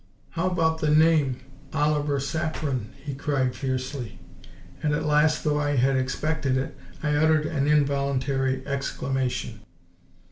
"How about the name OLIVER SAFFREN?" he cried fiercely, and at last, though I had expected it, I uttered an involuntary exclamation.